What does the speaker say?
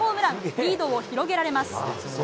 リードを広げられます。